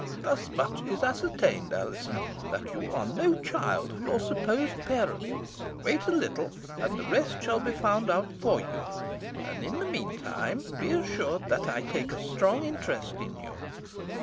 Thus much is ascertained, Alizon, that you are no child of your supposed parent. Wait a little, and the rest shall be found out for you. And, meantime, be assured that I take strong interest in you."